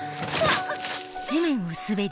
あっ。